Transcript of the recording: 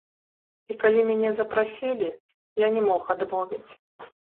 І калі мяне запрасілі, я не мог адмовіць.